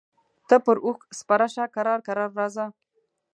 ته پر اوښ سپره شه کرار کرار راځه.